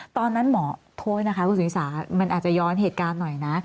ตอนนั้นหมอโทษนะคะคุณสุธิสามันอาจจะย้อนเหตุการณ์หน่อยนะ